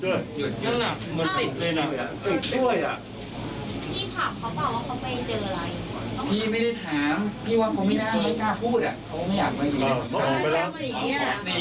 เขาก็ไม่อยากไปอย่างนี้